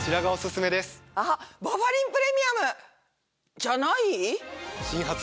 あっバファリンプレミアム！じゃない？